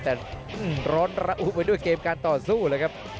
แต่ร้อนระอุไปด้วยเกมการต่อสู้เลยครับ